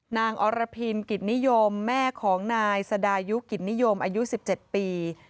อรพินกิจนิยมแม่ของนายสดายุกิจนิยมอายุ๑๗ปี